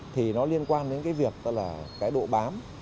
thì nó liên quan đến cái việc là cái độ bám